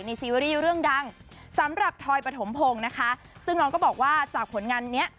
ซีรีส์เรื่องดังสำหรับทอยปฐมพงศ์นะคะซึ่งน้องก็บอกว่าจากผลงานเนี้ย